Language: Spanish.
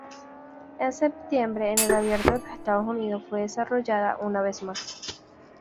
En septiembre, en el Abierto de los Estados Unidos, fue derrotada una vez más.